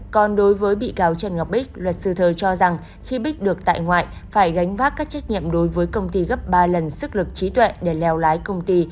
còn đối với bị cáo trần ngọc bích luật sư thời cho rằng khi bích được tại ngoại phải gánh vác các trách nhiệm đối với công ty gấp ba lần sức lực trí tuệ để leo lái công ty